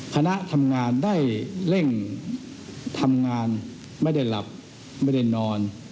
คณะทำงานได้เร่งทำงานไม่ได้หลับไม่ได้นอน